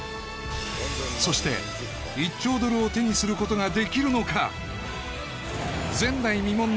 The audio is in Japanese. そして１兆ドルを手にすることができるのか？